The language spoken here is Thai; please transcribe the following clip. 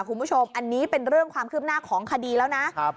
คุณผู้ชมอันนี้เป็นเรื่องความคืบหน้าของคดีแล้วนะครับ